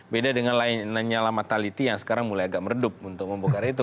beda dengan lainnya lama taliti yang sekarang mulai agak meredup untuk membuka itu